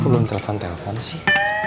belum telepon telepon sih